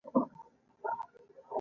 بدلون د ودې لار ده.